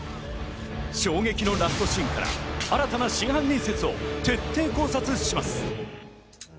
衝撃のラストシーンから新たな真犯人説を徹底考察します。